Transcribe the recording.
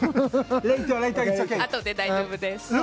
あとで大丈夫です。